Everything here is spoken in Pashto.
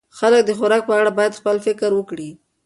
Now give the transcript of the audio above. خلک د خوراک په اړه باید خپل فکر وکړي.